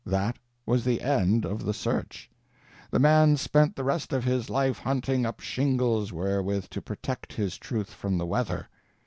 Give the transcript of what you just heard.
_That was the end of the search. _The man spent the rest of his life hunting up shingles wherewith to protect his Truth from the weather.